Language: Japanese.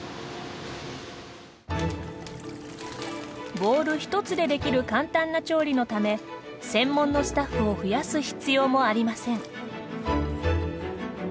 ボウル１つでできる簡単な調理のため専門のスタッフを増やす必要もありません。